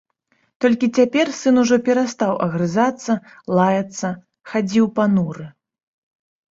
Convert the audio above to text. Толькі цяпер сын ужо перастаў агрызацца, лаяцца, хадзіў пануры.